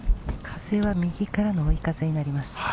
風は右からの追い風になりま